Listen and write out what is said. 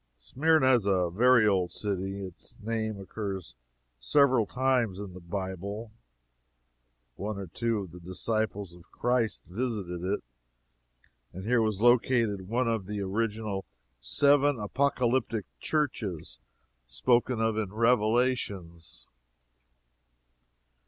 Smyrna is a very old city. Its name occurs several times in the Bible, one or two of the disciples of Christ visited it, and here was located one of the original seven apocalyptic churches spoken of in Revelations.